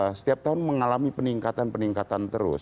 karena setiap tahun mengalami peningkatan peningkatan terus